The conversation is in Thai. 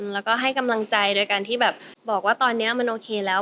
แล้วก็ให้กำลังใจโดยการที่แบบบอกว่าตอนนี้มันโอเคแล้ว